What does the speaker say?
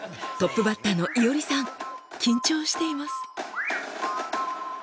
トップバッターのいおりさん緊張しています。